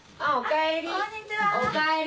おかえり！